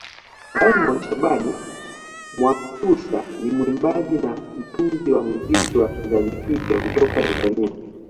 Raymond Shaban Mwakyusa ni mwimbaji na mtunzi wa muziki wa kizazi kipya kutoka Tanzania